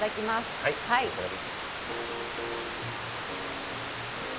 はいお召し上がり。